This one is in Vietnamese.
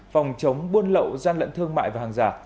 phòng chống buôn lậu gian lận thương mại và hàng giả